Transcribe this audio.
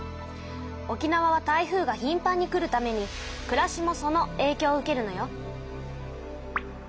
沖縄は台風がひんぱんに来るためにくらしもそのえいきょうを受けるのよ。